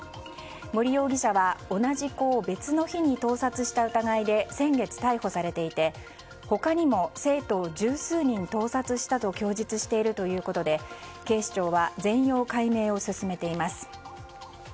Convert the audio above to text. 森容疑者は同じ子を別の日に盗撮した疑いで先月、逮捕されていて他にも生徒を十数人盗撮したと供述しているということで警視庁は全容解明を進めています。